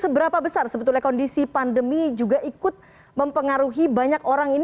seberapa besar sebetulnya kondisi pandemi juga ikut mempengaruhi banyak orang ini